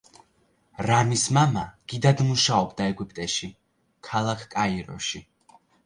რამის მამა გიდად მუშაობდა ეგვიპტეში, ქალაქ კაიროში.